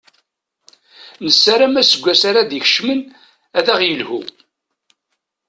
Nessaram aseggas ara d-ikecmen ad aɣ-yelhu.